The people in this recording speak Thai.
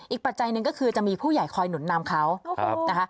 ปัจจัยหนึ่งก็คือจะมีผู้ใหญ่คอยหนุนนำเขานะคะ